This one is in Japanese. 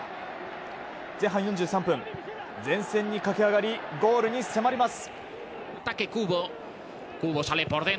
前半４３分、前線に駆け上がりゴールに迫ります。